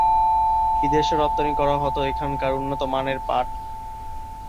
বিদেশেও রপ্তানি করা হতো এখানকার উন্নতমানের পাট।